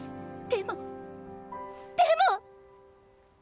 でもでも！